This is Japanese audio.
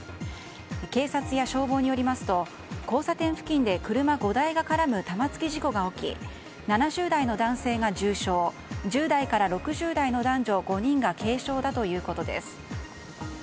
警察と消防によりますと交差点付近で車５台が絡む玉突き事故が起き７０代の男性が重傷１０代から６０代の男女が５人が軽傷だということです。